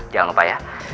jangan lupa ya